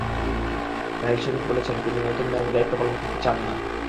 রাহিল শরিফ বলেছেন, তিনি নতুন মেয়াদে দায়িত্ব পালন করতে চান না।